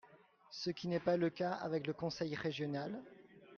ce qui n’est pas le cas avec le conseil régional.